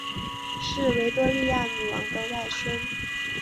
是维多利亚女王的外孙。